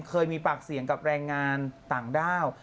เคยมีปากเสียงกับแรงงานต่างด้าว